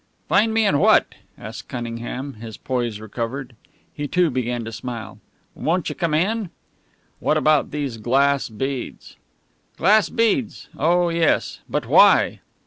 "Find me in what?" asked Cunningham, his poise recovered. He, too, began to smile. "Won't you come in?" "What about these glass beads?" "Glass beads? Oh, yes. But why?"